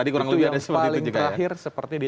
itu yang paling terakhir seperti dia